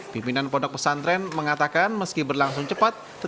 pimpinan pondok pesantren mengatakan meski berlangsung cepat